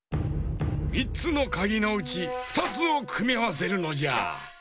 ３つのかぎのうち２つをくみあわせるのじゃ。